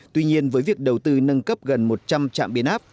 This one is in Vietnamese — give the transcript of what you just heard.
tuy nhiên với việc đầu tư nâng cấp gần một trăm linh trạm biến áp